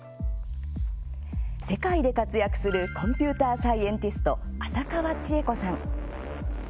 世界で活躍するコンピューターサイエンティスト浅川智恵子さん。